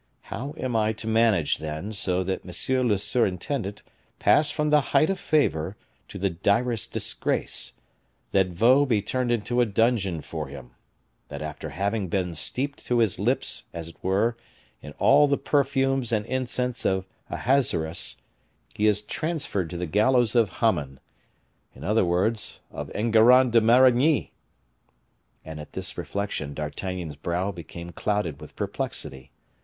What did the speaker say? How am I to manage, then, so that M. le surintendant pass from the height of favor to the direst disgrace; that Vaux be turned into a dungeon for him; that after having been steeped to his lips, as it were, in all the perfumes and incense of Ahasuerus, he is transferred to the gallows of Haman; in other words, of Enguerrand de Marigny?" And at this reflection, D'Artagnan's brow became clouded with perplexity.